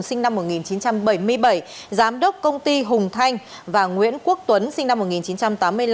sinh năm một nghìn chín trăm bảy mươi bảy giám đốc công ty hùng thanh và nguyễn quốc tuấn sinh năm một nghìn chín trăm tám mươi năm